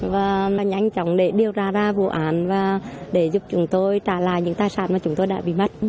và nhanh chóng để điều tra ra vụ án và để giúp chúng tôi trả lại những tài sản mà chúng tôi đã bị mất